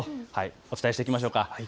お伝えしていきましょう。